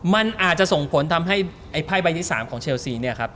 มันอาจจะส่งผลทำให้ไอ้ไพ่ใบที่๓ของเชลซีเนี่ยครับ